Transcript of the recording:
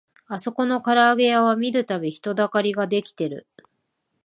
あそこのからあげ屋は見るたび人だかりが出来てる